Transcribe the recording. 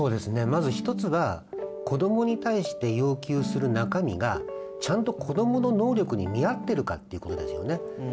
まず一つは子どもに対して要求する中身がちゃんと子どもの能力に見合ってるかっていうことですよね。